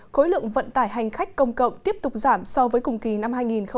khối lượng vận tải hành khách công cộng tiếp tục giảm so với cùng kỳ năm hai nghìn một mươi chín